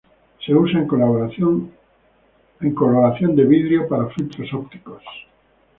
Se usa en coloración de vidrio para filtros ópticos.